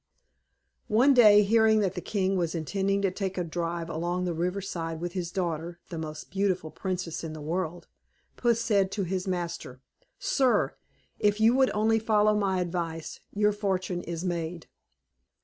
One day, hearing that the king was intending to take a drive along the river side with his daughter, the most beautiful princess in the world, Puss said to his master, "Sir, if you would only follow my advice, your fortune is made."